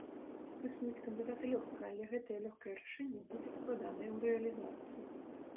Высунуць кандыдата лёгка, але гэтае лёгкае рашэнне будзе складанае ў рэалізацыі.